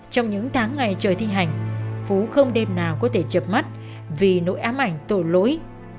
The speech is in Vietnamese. trong những tháng ngày trời thi hành phú không đêm nào có thể chập mắt vì nỗi ám ảnh tội lỗi